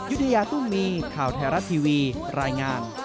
ยุติยาตุ้มีข่าวแทรศ์ทีวีรายงาน